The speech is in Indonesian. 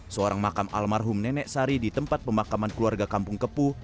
seorang makam almarhum nenek sari di tempat pemakaman keluarga kampung kepuh